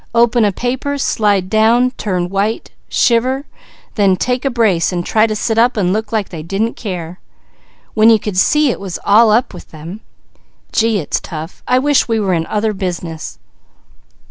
Open a paper, slide down, turn white, shiver, then take a brace and try to sit up and look like they didn't care, when you could see it was all up with them. Gee, it's tough! I wish we were in other business."